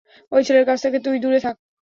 ওই ছেলের কাছ থেকে তুই দূরে থাক।